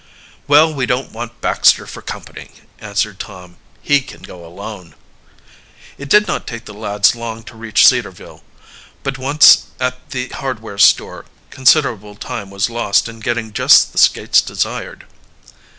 "Well, we don't want Baxter for company," answered Tom. "He can go alone." It did not take the lads long to reach Cedarville, but once at the hardware store considerable time was lost in getting just the skates desired.